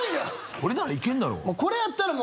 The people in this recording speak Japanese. これならいけんだろ。